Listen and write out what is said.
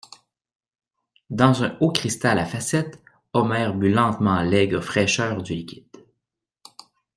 Dans un haut cristal à facettes, Omer but lentement l'aigre fraîcheur du liquide.